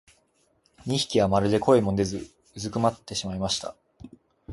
二疋はまるで声も出ず居すくまってしまいました。